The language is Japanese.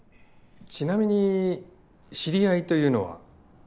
ちなみに知り合いというのは。